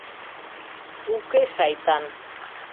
Уке, шайтан!